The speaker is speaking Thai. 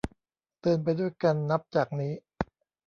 เดินไปด้วยกันนับจากนี้